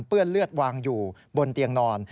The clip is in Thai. เปื้อนเลือดวางอยู่บนเตียงนอน